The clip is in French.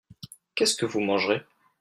Qu'est-ce que vous mangerez ?